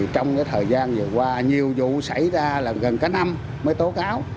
trong thời gian vừa qua nhiều vụ xảy ra là gần cả năm mới tố cáo